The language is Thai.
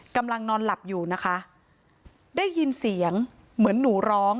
กำลังนอนหลับอยู่นะคะได้ยินเสียงเหมือนหนูร้อง